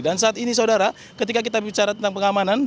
dan saat ini saudara ketika kita berbicara tentang pengamanan